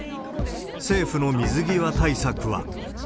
政府の水際対策は。